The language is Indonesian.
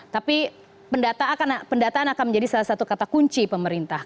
tapi pendataan akan menjadi salah satu kata kunci pemerintah